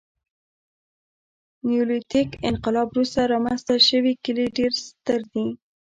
نیولیتیک انقلاب وروسته رامنځته شوي کلي ډېر ستر دي.